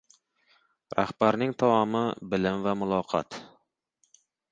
• Rahbarning taomi — bilim va muloqot.